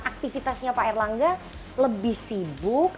aktivitasnya pak erlangga lebih sibuk